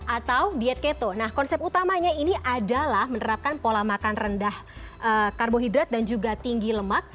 atau diet keto nah konsep utamanya ini adalah menerapkan pola makan rendah karbohidrat dan juga tinggi lemak